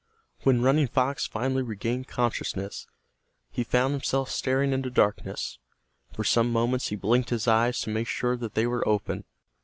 When Running Fox finally regained consciousness, he found himself staring into darkness. For some moments he blinked his eyes to make sure that they were open.